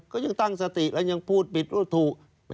ก็ยังตั้งสติแล้วยังพูดปิดวัตถุ